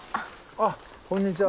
あっこんにちは。